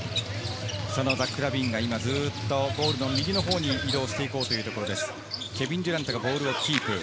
そのザックがずっとボールの右のほうに移動していくというところ。